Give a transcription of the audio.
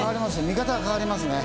見方が変わりますね。